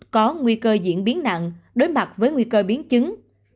có nguy cơ diễn biến nặng đối mặt với nguy cơ biến chứng